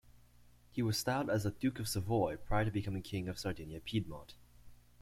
He was styled as the "Duke of Savoy" prior to becoming King of Sardinia-Piedmont.